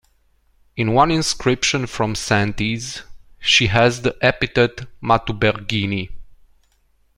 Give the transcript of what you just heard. In one inscription from Saintes, she has the epithet "Matubergini".